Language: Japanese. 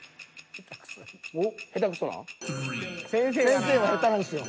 先生は下手なんですよ。